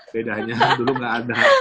bedanya dulu gak ada